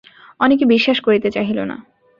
অনেকে বিশ্বাস করিতে চাহিল না।